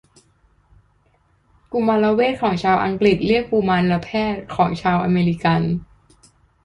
กุมารเวชของชาวอังกฤษเรียกกุมารแพทย์ของชาวอเมริกัน